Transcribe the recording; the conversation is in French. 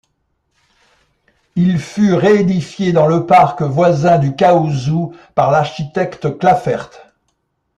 Il fut réédifié dans le parc voisin du Caousou par l'architecte Sclafert.